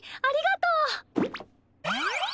ありがとう！